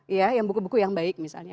iya yang buku buku yang baik misalnya